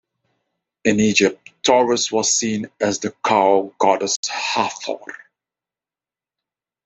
In Egypt, Taurus was seen as the cow goddess Hathor.